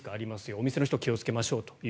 お店の人、気をつけましょうと。